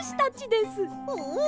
おお！